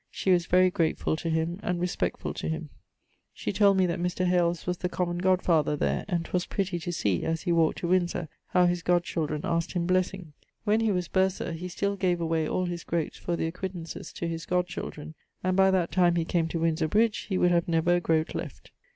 She was very gratefull to him and respectfull to him. She told me that Mr. Hales was the common godfather there, and 'twas pretty to see, as he walked to Windsor, how his godchildren asked him blessing. When he was bursar, he still gave away all his groates for the acquittances to his godchildren; and by that time he came to Windsor bridge, he would have never a groate left.